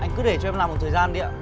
anh cứ để cho em làm một thời gian đi ạ